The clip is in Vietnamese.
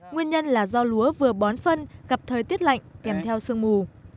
nguyên nhân là do lúa vừa bón phân gặp thời tiết lạnh kèm theo sương mù